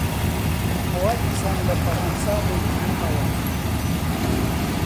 ئەوا دیسان لە فەڕانسە دەیبینمەوە